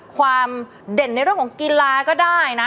เด่นในเรื่องของกีฬาก็ได้นะ